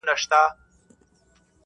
د حیرت کوربه خالي د مرات کور کړي